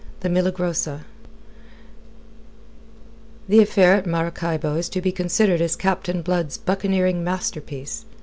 THE MILAGROSA The affair at Maracaybo is to be considered as Captain Blood's buccaneering masterpiece.